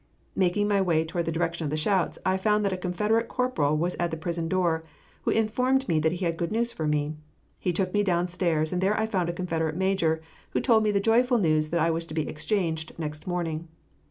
Making my way toward the direction of the shouts, I found that a Confederate corporal was at the prison door, who informed me that he had good news for me. He took me down stairs, and there I found a Confederate major, who told me the joyful news that I was to be exchanged next morning.